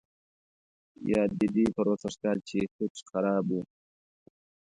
یاد دي دي پروسږ کال چې هیټ خراب وو.